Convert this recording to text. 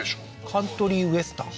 カントリーウエスタン？